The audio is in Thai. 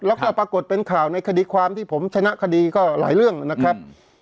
แล้วก็ปรากฏเป็นข่าวในคดีความที่ผมชนะคดีก็หลายเรื่องนะครับ